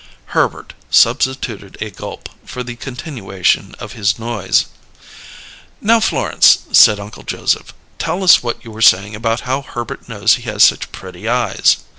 Herbert substituted a gulp for the continuation of his noise. "Now, Florence," said Uncle Joseph, "tell us what you were saying about how Herbert knows he has such 'pretty eyes'."